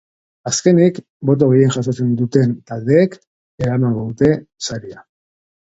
Azkenik, boto gehien jasotzen duten taldeek eramango dute saria.